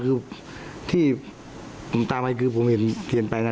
คือที่ตามแค่ผมเห็นเคยไปนะ